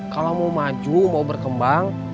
kalau mau maju mau berkembang